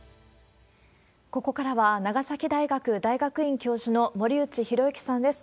ここからは、長崎大学大学院教授の森内浩幸さんです。